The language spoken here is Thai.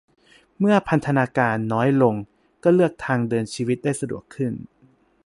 เมื่อพันธนาการน้อยลง ก็เลือกทางเดินชีวิตได้สะดวกขึ้น